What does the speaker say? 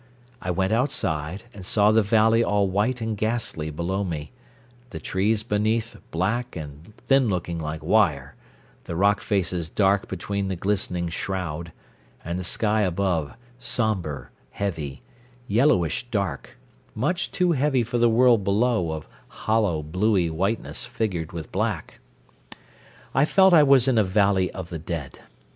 I went outside, and saw the valley all white and ghastly below me, the trees beneath black and thin looking like wire, the rock faces dark between the glistening shroud, and the sky above sombre, heavy, yellowish dark, much too heavy for the world below of hollow bluey whiteness figured with black. I felt I was in a valley of the dead.